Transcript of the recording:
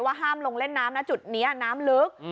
ห้ามลงเล่นน้ำนะจุดนี้น้ำลึก